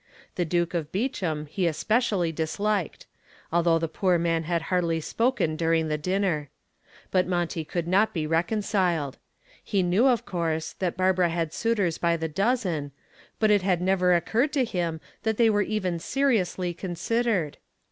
The Duke of Beauchamp he especially disliked, although the poor man had hardly spoken during the dinner. But Monty could not be reconciled. He knew, of course, that Barbara had suitors by the dozen, but it had never occurred to him that they were even seriously considered.